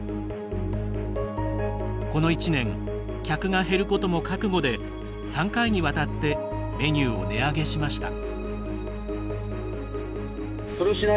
この一年客が減ることも覚悟で３回にわたってメニューを値上げしました。